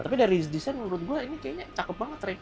tapi dari desain menurut gue ini kayaknya cakep banget